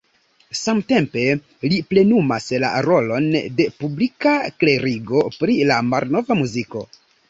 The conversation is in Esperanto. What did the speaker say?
Samtempe li plenumas la rolon de publika klerigo pri la malnova muziko.